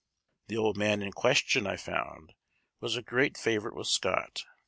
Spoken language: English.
The old man in question, I found, was a great favorite with Scott.